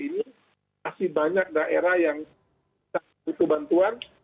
ini masih banyak daerah yang butuh bantuan